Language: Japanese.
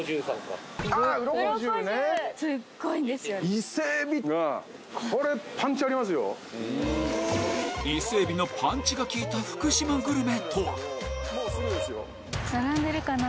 伊勢海老のパンチがきいた福島グルメとは？